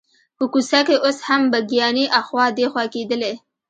په کوڅه کې اوس هم بګیانې اخوا دیخوا کېدلې.